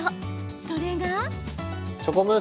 それが。